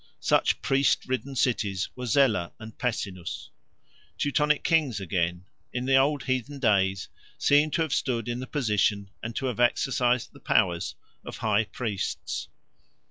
Such priest ridden cities were Zela and Pessinus. Teutonic kings, again, in the old heathen days seem to have stood in the position, and to have exercised the powers, of high priests.